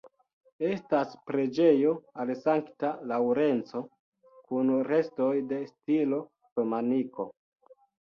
Estas preĝejo al Sankta Laŭrenco kun restoj de stilo romaniko.